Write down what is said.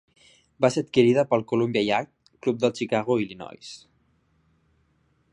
Va ser adquirida pel Columbia Yacht Club de Chicago, Illinois.